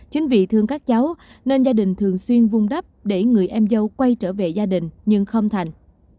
chính vì thương các cháu nên gia đình thường xuyên vung đắp để người em dâu quay trở về gia đình nhưng không thành